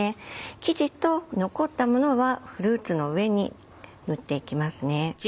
生地と残ったものはフルーツの上に塗っていきますね。